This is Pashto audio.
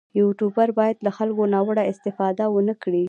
یوټوبر باید له خلکو ناوړه استفاده ونه کړي.